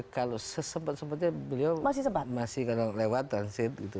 kalau sempat sempatnya beliau masih kalau lewat transit gitu